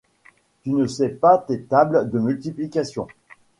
Tu ne sais pas tes tables de multiplication.